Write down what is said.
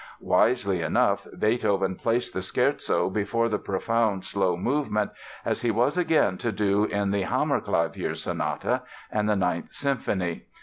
Wisely enough, Beethoven placed the Scherzo before the profound slow movement, as he was again to do in the "Hammerklavier" Sonata and the Ninth Symphony.